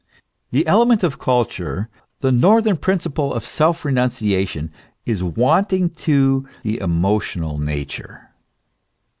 The element of culture, the northern principle of self renunciation, is wanting to the emotional nature.